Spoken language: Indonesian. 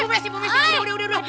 eh bu messi bu messi udah udah udah